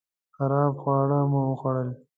خراب خواړه مو وخوړل